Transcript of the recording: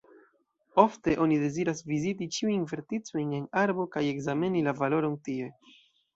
Ofte oni deziras viziti ĉiujn verticojn en arbo kaj ekzameni la valoron tie.